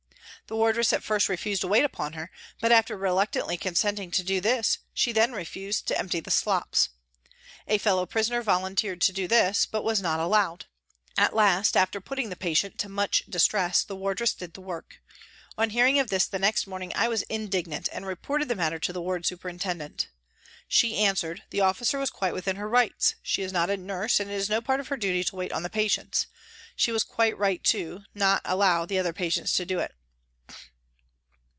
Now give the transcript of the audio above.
The wardress at first refused to wait upon her, but after reluctantly consenting to do this, she then refused to empty the slops. A fellow prisoner volunteered to do this, but was not allowed. At last, after putting the patient to much distress, the wardress did the work. On hearing of this the next morning I was indignant and reported the matter to the ward superintendent. She answered, " The officer was quite within her rights. She is not " A TRACK TO THE WATER'S EDGE." 171 a nurse and it is no part of her duty to wait on the patients. She was quite right, too, not to allow the other patients to do it."